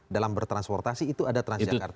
dalam bertransportasi itu ada transjakarta